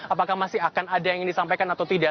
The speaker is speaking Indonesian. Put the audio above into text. apakah masih akan ada yang ingin disampaikan atau tidak